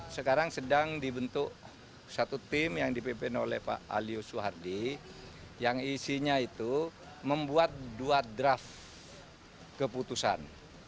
sekarang sedang dibentuk satu tim yang dipimpin oleh pak alio suhardi yang isinya itu membuat dua draft keputusan